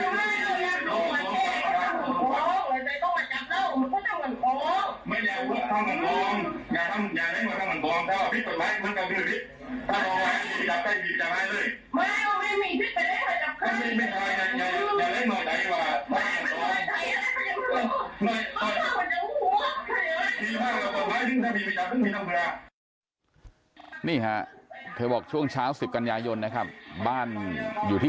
เจรจาต่อรองเงินไป๕ล้านแลกกับการปล่อยตัว